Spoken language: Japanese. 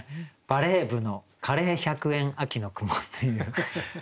「バレー部のカレー百円秋の雲」という。